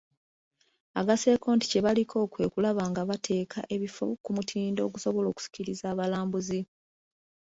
Agasseeko nti kye baliko kwe kulaba nga bateeka ebifo ku mutindo ogusobola okusikiriza abalambuzi.